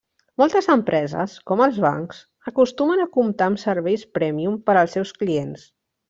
Moltes empreses, com els bancs, acostumen a comptar amb serveis prèmium per als seus clients.